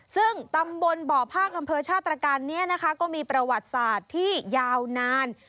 ซึ่งตำบลบ่อภาคอำเภอชาติตรการนี้นะคะก็มีประวัติศาสตร์ที่ยาวนาน